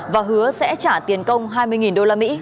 và hứa sẽ trả tiền công hai mươi usd